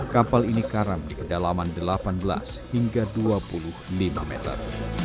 kapal ini karam di kedalaman delapan belas hingga dua puluh lima meter